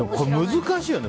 難しいよね。